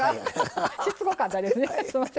しつこかったですね。